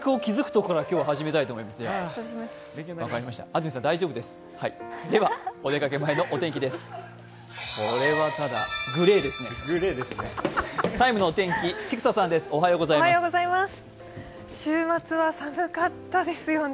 これは、ただグレーですね。